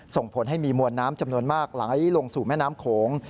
ส่งผลให้มีมวลน้ำจำนวนมากไหลลงสู่แม่น้ำโขง